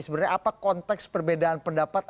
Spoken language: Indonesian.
sebenarnya apa konteks perbedaan pendapat